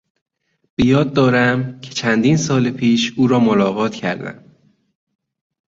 بیاد دارم که چندین سال پیش او را ملاقات کردم.